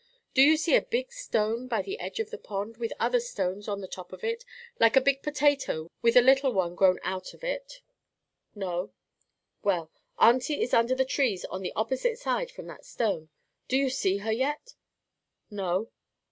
Do you see a big stone by the edge of the pond, with another stone on the top of it, like a big potato with a little one grown out of it?" "No." "Well, auntie is under the trees on the opposite side from that stone. Do you see her yet?" "No."